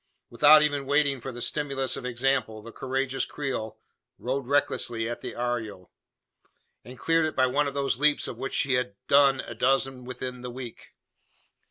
Without even waiting for the stimulus of example, the courageous Creole rode recklessly at the arroyo; and cleared it by one of those leaps of which she had "done a dozen within the week."